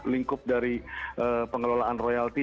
lingkup dari pengelolaan royalti